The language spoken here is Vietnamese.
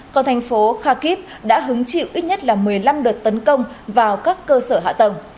còn thành phố khakip đã hứng chịu ít nhất là một mươi năm đợt tấn công vào các cơ sở hạ tầng